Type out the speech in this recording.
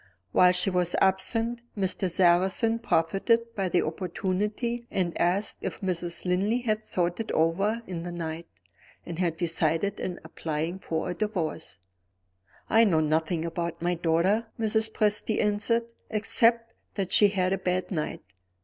While she was absent, Mr. Sarrazin profited by the opportunity, and asked if Mrs. Linley had thought it over in the night, and had decided on applying for a Divorce. "I know nothing about my daughter," Mrs. Presty answered, "except that she had a bad night.